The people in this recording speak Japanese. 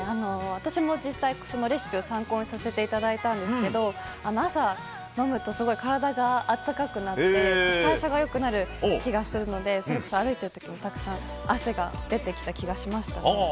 私も実際、そのレシピを参考にさせていただいたんですけど朝、飲むとすごい体が温かくなって代謝が良くなる気がするので歩く時もたくさん汗が出てきた気がしました。